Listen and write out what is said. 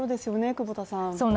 久保田さん。